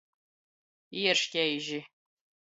Ierškeiži.